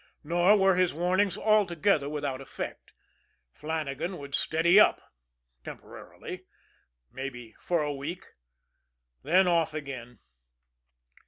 Nor were his warnings altogether without effect. Flannagan would steady up temporarily maybe for a week than off again.